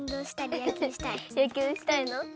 やきゅうしたいの？